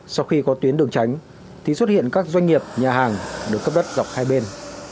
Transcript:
sau khi có tuyến đường tránh thì xuất hiện các doanh nghiệp nhà hàng được cấp đất dọc hai bên